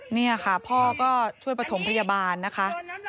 นี่ค่ะพ่อก็ช่วยประถมพยาบาลนะคะ